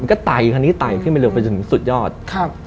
มันก็ไตคันนี้ไตขึ้นไปเลยไปถึงสุดยอดสุดยอดปุ๊บ